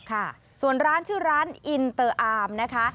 ค่ะส่วนร้านชื่อร้านอินเตอร์อาร์มนะคะ